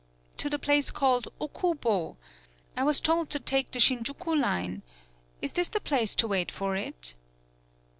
"To the place called Okubo. I was told to take the Shinjuku line. Is this the place to wait for it?"